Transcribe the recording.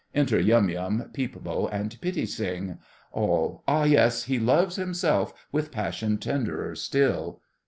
Enter Yum Yum, Peep Bo, and Pitti Sing. ALL. Ah, yes! He loves himself with passion tenderer still!